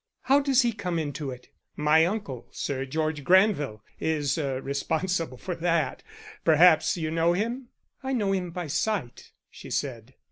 "How does he come into it?" "My uncle, Sir George Granville, is responsible for that. Perhaps you know him?" "I know him by sight," she said.